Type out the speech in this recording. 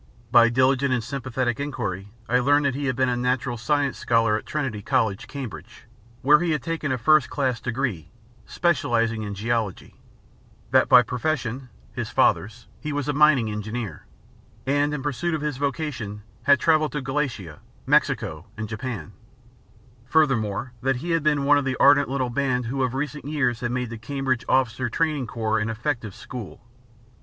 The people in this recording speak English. By diligent and sympathetic enquiry I learned that he had been a Natural Science scholar at Trinity College, Cambridge, where he had taken a first class degree specialising in geology; that by profession (his father's) he was a mining engineer, and, in pursuit of his vocation, had travelled in Galicia, Mexico and Japan; furthermore, that he had been one of the ardent little band who of recent years had made the Cambridge Officers Training Corps an effective school.